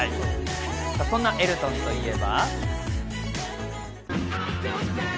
そんなエルトンといえば。